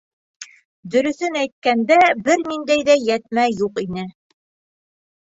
Дөрөҫөн әйткәндә, бер ниндәй ҙә йәтмә юҡ ине.